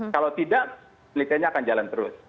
kalau tidak penelitiannya akan jalan terus